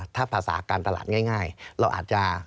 ถ้าภาษาการตลาดง่ายเราอาจจะ